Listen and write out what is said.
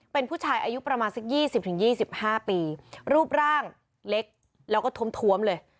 เป็นผู้ชายอายุประมาณสักยี่สิบถึงยี่สิบห้าปีรูปร่างเล็กแล้วก็ทมทวมเลย